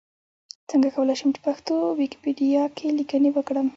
څنګه کولی شم چې پښتو ويکيپېډيا کې ليکنې وکړم؟